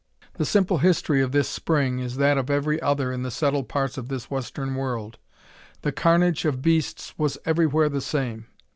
"The simple history of this spring is that of every other in the settled parts of this Western World; the carnage of beasts was everywhere the same.